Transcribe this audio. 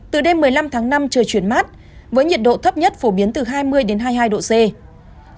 từ đêm một mươi năm tháng năm trời chuyển mát với nhiệt độ thấp nhất phổ biến từ hai mươi hai mươi hai độ c